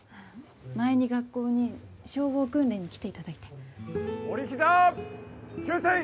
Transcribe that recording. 前に学校に消防訓練に来ていただいて折りひざ注水！